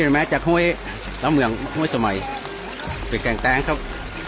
มาจากห้วยน้ำเมืองห้วยสมัยเป็นแก่งแตงครับ